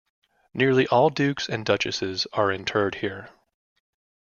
Nearly all Dukes and Duchesses are interred here.